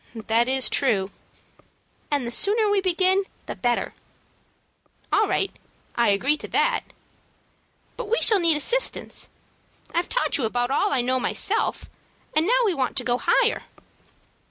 "That is true." "And the sooner we begin the better." "All right. I agree to that." "But we shall need assistance. I've taught you about all I know myself, and now we want to go higher."